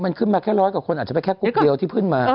มันขึ้นมาแค่ร้อยกว่าคนอาจจะไปแค่กรุ๊ปเดียวที่ขึ้นมา